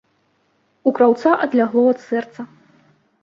У краўца адлягло ад сэрца.